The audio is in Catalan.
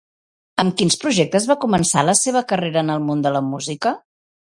Amb quins projectes va començar la seva carrera en el món de la música?